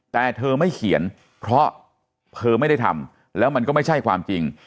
แต่เธอไม่เขียนเพราะเธอไม่ได้ทำแล้วมันก็ไม่ใช่ความจริง